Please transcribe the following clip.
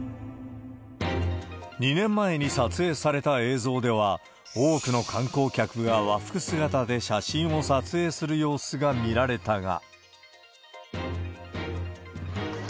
２年前に撮影された映像では、多くの観光客が和服姿で写真を撮影する様子が見られたが。